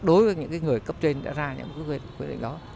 đối với những người cấp trên đã ra những quyết định đó